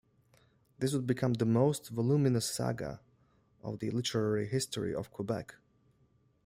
This would become the most voluminous saga of the literary history of Quebec.